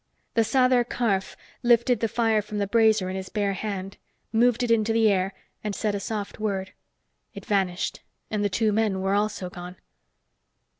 The Sather Karf lifted the fire from the brazier in his bare hand, moved it into the air and said a soft word. It vanished, and the two men were also gone.